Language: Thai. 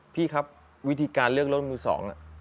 พี่ครับวิธีการเลือกรถมือสอง